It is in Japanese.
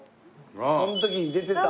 その時に出てた。